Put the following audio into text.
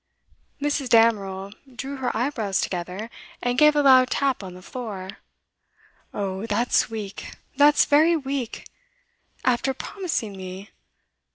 Mrs. Damerel drew her eyebrows together, and gave a loud tap on the floor. 'Oh, that's weak that's very weak! After promising me!